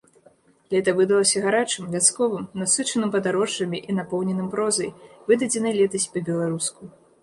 Лета выдалася гарачым, вясковым, насычаным падарожжамі і напоўненым прозай, выдадзенай летась па-беларуску.